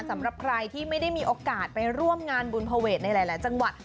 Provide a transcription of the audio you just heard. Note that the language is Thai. สำหรับใครที่ไม่ได้มีโอกาสไปร่วมงานบุญภเวทในหลายจังหวัด